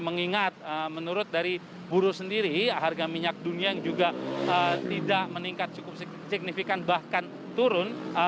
mengingat menurut dari buruh sendiri harga minyak dunia yang juga tidak meningkat cukup signifikan bahkan turun